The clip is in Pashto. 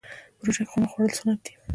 په روژه کې خرما خوړل سنت دي.